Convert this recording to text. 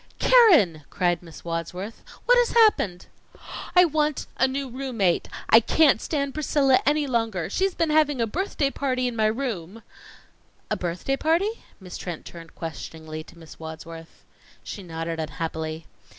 "Keren!" cried Miss Wadsworth. "What has happened?" "I want a new room mate! I can't stand Priscilla any longer. She's been having a birthday party in my room " "A birthday party?" Mrs. Trent turned questioningly to Miss Wadsworth. She nodded unhappily.